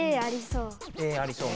Ａありそう。